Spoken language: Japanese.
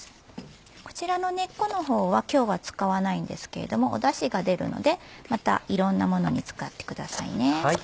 こちらの根っこの方は今日は使わないんですけれどもダシが出るのでまたいろんなものに使ってくださいね。